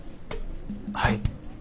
はい。